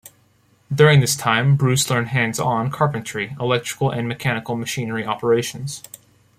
During this time, Bruce learned hands-on carpentry, electrical and mechanical machinery operations.